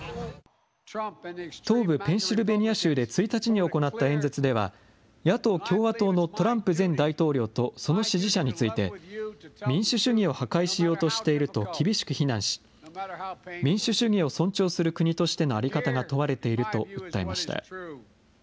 東部ペンシルベニア州で１日に行った演説では、野党・共和党のトランプ前大統領とその支持者について、民主主義を破壊しようとしていると厳しく非難し、民主主義を尊重する国としての在り方が問われていると訴えました。